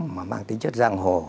mà mang tính chất giang hồ